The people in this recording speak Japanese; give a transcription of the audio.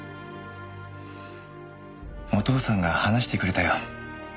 お父さんが話してくれたよ。